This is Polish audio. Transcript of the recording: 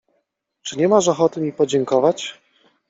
— Czy nie masz ochoty mi podziękować?